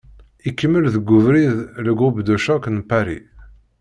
Ikemmel deg ubrid "Le groupe de choc" n Pari.